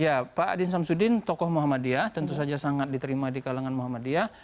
ya pak adin samsudin tokoh muhammadiyah tentu saja sangat diterima di kalangan muhammadiyah